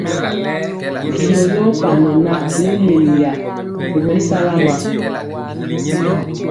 Vyɔ yɔɔ panɔ na leleyiya ri mɛsala ma.